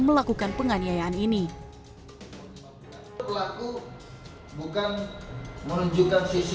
melakukan penganiayaan ini bukan menunjukkan sisi kemanusiaan tapi disuruh mengancam kepada saksi